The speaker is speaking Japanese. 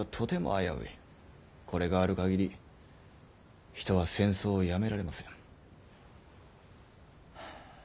これがある限り人は戦争をやめられません。